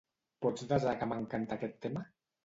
Pots desar que m'encanta aquest tema?